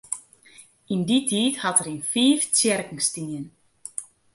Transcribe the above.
Yn dy tiid hat er yn fiif tsjerken stien.